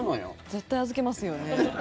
絶対預けますよね。